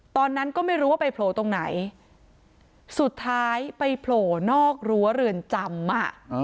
ตอนนั้นก็ไม่รู้ว่าไปโผล่ตรงไหนสุดท้ายไปโผล่นอกรั้วเรือนจำอ่ะ